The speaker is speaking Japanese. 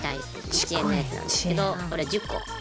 １円のやつなんですけどこれ１０個。